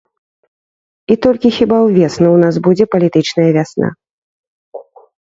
І толькі хіба ўвесну ў нас будзе палітычная вясна.